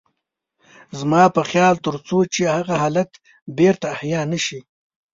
زما په خيال تر څو چې هغه حالت بېرته احيا نه شي.